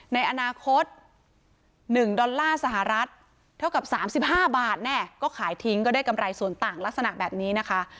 ในอนาคต๑ดอลลาร์สหรัฐเท่ากับ๓๕บาทแน่ก็ขายทิ้งก็ได้กำไรส่วนต่างลักษณะแบบนี้นะคะ